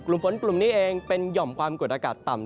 ฝนกลุ่มนี้เองเป็นหย่อมความกดอากาศต่ำ